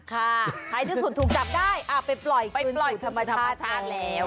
ใครที่สุดถูกจับได้ไปปล่อยคุณสุดธรรมชาติแล้ว